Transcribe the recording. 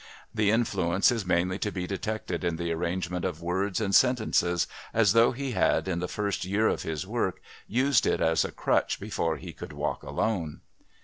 The influence is mainly to be detected in the arrangement of words and sentences as though he had, in the first years of his work, used it as a crutch before he could walk alone.